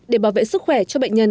để bảo vệ sức khỏe cho bệnh nhân